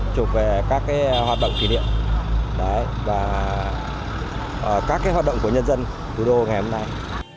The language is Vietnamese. chụp về các hoạt động kỷ niệm và các hoạt động của nhân dân thủ đô ngày hôm nay